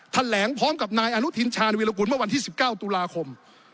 แถลงพร้อมกับนายอนุทินชาญวิรากุลเมื่อวันที่๑๙ตุลาคม